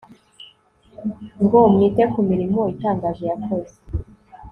ng mwite ku mirimo itangaje yakoze